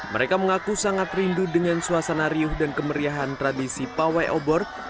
mereka mengaku sangat rindu dengan suasana riuh dan kemeriahan tradisi pawai obor